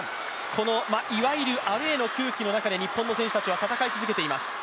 このいわゆるアウェーの空気の中で日本の選手たちは戦い続けています。